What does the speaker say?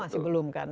masih belum kan